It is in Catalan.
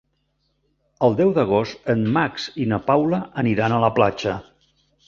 El deu d'agost en Max i na Paula aniran a la platja.